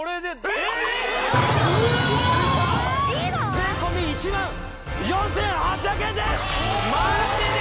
税込１４８００円ですマジで？